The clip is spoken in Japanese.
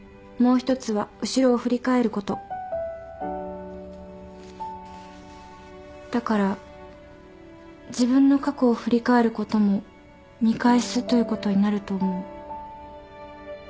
もう一つは「後ろを振り返ること」だから自分の過去を振り返ることも見返すということになると思う。